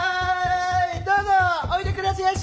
どうぞおいでくだせやし！